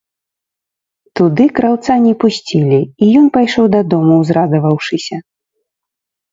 Туды краўца не пусцілі, і ён пайшоў дадому, узрадаваўшыся.